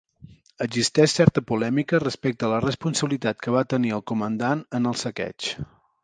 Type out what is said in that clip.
Existeix certa polèmica respecte a la responsabilitat que va tenir el comandant en el saqueig.